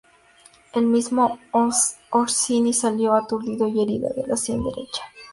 El mismo Orsini salió aturdido y herido en la sien derecha.